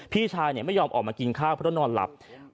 พี่ชายไม่ยอมออกมากินข้าวเพราะนอนหลับ